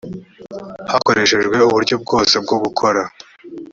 hakoreshejwe uburyo bwose bwo gukora